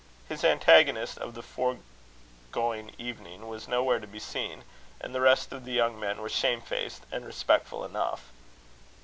His antagonist of the foregoing evening was nowhere to be seen; and the rest of the young men were shame faced and respectful enough.